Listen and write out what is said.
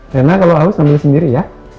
rena kalau haus ambil sendiri ya